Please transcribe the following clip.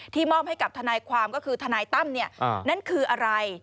มอบให้กับทนายความก็คือทนายตั้มนั่นคืออะไร